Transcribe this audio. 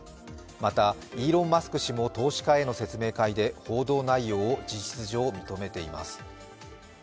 また、イーロン・マスク氏も投資家への説明会で報道内容を事実上認めています。